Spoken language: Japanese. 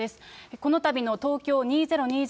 このたびの東京２０２０